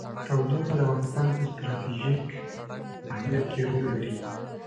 تودوخه د افغانستان په ستراتیژیک اهمیت کې رول لري.